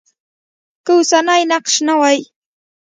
که اوسنی نقش نه وای.